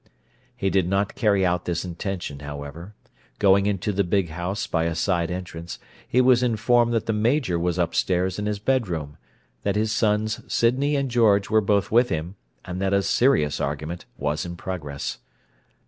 He did not carry out this intention, however. Going into the big house by a side entrance, he was informed that the Major was upstairs in his bedroom, that his sons Sydney and George were both with him, and that a serious argument was in progress.